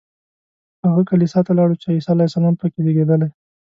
هغه کلیسا ته لاړو چې عیسی علیه السلام په کې زېږېدلی.